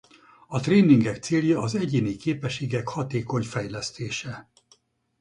A tréningek célja az egyéni képességek hatékony fejlesztése.